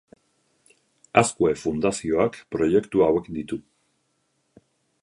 Azkue Fundazioak proiektu hauek ditu.